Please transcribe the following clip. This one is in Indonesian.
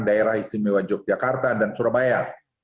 daerah istimewa yogyakarta dan surabaya